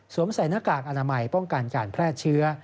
ใส่หน้ากากอนามัยป้องกันการแพร่เชื้อ